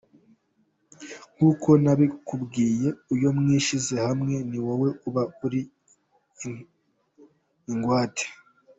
Nk'uko nabikubwiye, iyo mwishyize hamwe ni wowe uba uri ingwate.